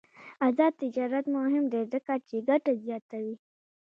آزاد تجارت مهم دی ځکه چې ګټه زیاتوي.